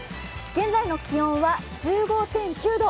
現在の気温は１５．９度。